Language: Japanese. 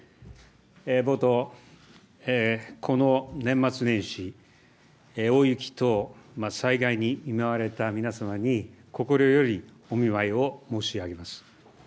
冒頭、この年末年始、大雪等、災害に見舞われた皆様に心よりお見舞いを申し上げます。